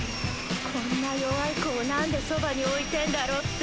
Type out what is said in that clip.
こんな弱い子をなんでそばに置いてんだろって。